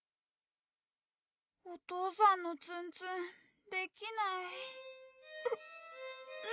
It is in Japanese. おとうさんのツンツンできないぐすっぐすっ。